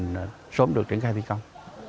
để sống được triển khai viên công